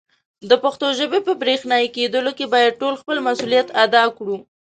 د پښتو ژبې په برښنایې کېدلو کې باید ټول خپل مسولیت ادا کړي.